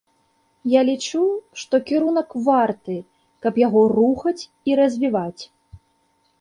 Я лічу, што кірунак варты, каб яго рухаць і развіваць.